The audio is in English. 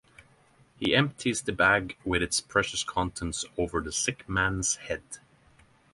He empties the bag with its precious contents over the sick man's head.